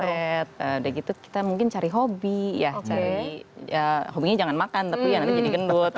udah gitu kita mungkin cari hobi ya cari ya hobinya jangan makan tapi ya nanti jadi gendut